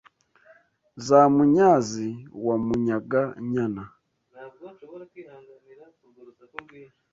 Za Munyazi wa Munyaga-nyana